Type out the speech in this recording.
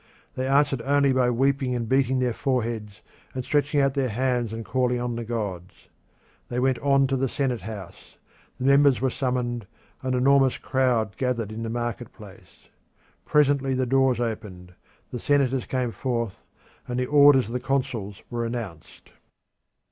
They answered only by weeping and beating their foreheads, and stretching out their hands and calling on the gods. They went on to the senate house; the members were summoned; an enormous crowd gathered in the market place. Presently the doors opened; the senators came forth, and the orders of the consuls were announced.